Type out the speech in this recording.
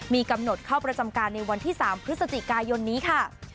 มีกำหนดเข้าประจำการในวันที่๓พฤศจิกายนนี้ค่ะ